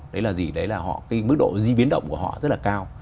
đấy là gì đấy là mức độ di biến động của họ rất là cao